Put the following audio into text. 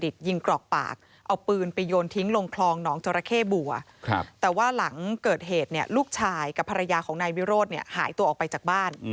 แต่ว่าหลังเกิดเหตุเนี่ยลูกชายกับภรรยาของนายวิโรธเนี่ยหายตัวออกไปจากบ้าน